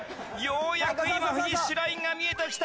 ようやく今フィニッシュラインが見えてきた！